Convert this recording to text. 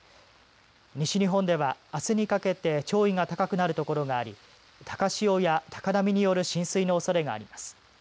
西日本ではあすにかけて潮位が高くなるところがあり高潮や高波による浸水のおそれがあります。